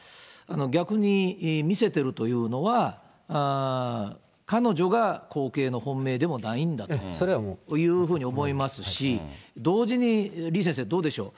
逆に見せているというのは、彼女が後継の本命でもないんだというふうに思いますし、同時に、李先生、どうでしょう。